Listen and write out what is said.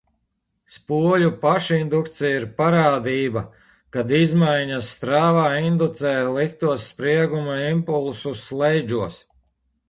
Spoļu pašindukcija ir parādība, kad izmaiņas strāvā indūcē liktos sprieguma impulsus slēdžos.